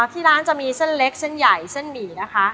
ที่ร้านจะมีเส้นเล็กเส้นใหญ่เส้นหมี่นะคะ